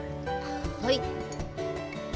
はい。